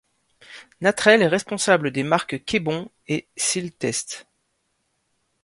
Natrel est responsable des marques Québon et Sealtest.